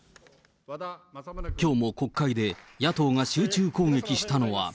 きょうも国会で野党が集中攻撃したのは。